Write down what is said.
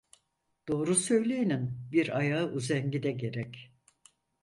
Doğru söyleyenin bir ayağı üzengide gerek.